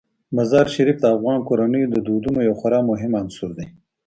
مزارشریف د افغان کورنیو د دودونو یو خورا مهم عنصر دی.